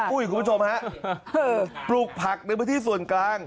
คุณผู้ชมฮะปลูกผักในพื้นที่ส่วนกลาง